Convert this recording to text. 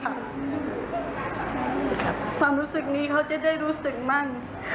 ความรู้สึกนี้เขาจะได้รู้สึกมั่ง